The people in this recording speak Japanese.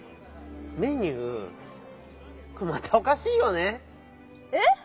メニューまたおかしいよね？